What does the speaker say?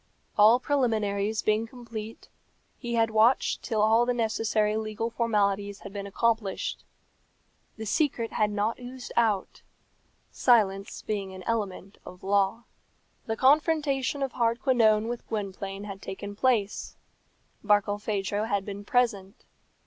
All preliminaries being complete, he had watched till all the necessary legal formalities had been accomplished. The secret had not oozed out, silence being an element of law. The confrontation of Hardquanonne with Gwynplaine had taken place. Barkilphedro had been present.